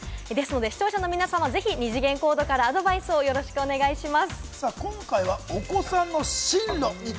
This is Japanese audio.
視聴者の皆さんはぜひ二次元コードからアドバイスをよろしくお願いします。